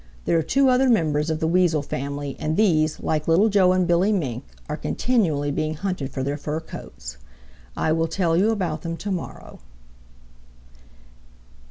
There are two other members of the Weasel family and these, like Little Joe and Billy Mink, are continually being hunted for their fur coats. I will tell you about them to morrow."